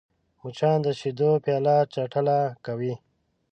مچان د شیدو پیاله چټله کوي